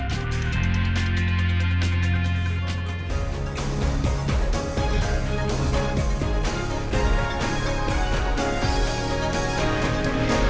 baik terima kasih arend